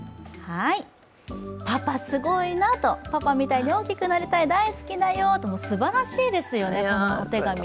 ぱぱすごいな、ぱぱみたいにおおきくなりたい、だいすきだよと、すばらしいですよね、お手紙。